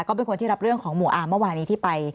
เป็นคนที่รับเรื่องของหมู่อาร์เมื่อวานี้ที่ไป